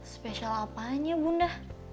spesial apanya bunda